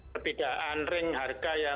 perbedaan ring harga yang